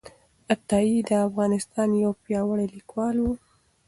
عطايي د افغانستان یو پیاوړی لیکوال و.